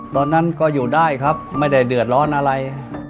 ตอนนั้นก็อยู่ได้ครับไม่ได้เดือดร้อนอะไร